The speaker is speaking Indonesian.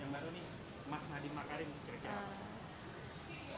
oke nah harapannya kepada kemendikbud yang baru nih mas nadiem makarim